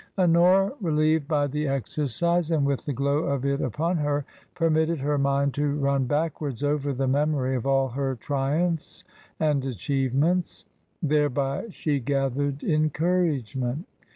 Honora, relieved by the exercise, and with the glow of it upon her, permitted her mind to run backwards over the memory of all her triumphs and achievements; thereby she gathered encouragement.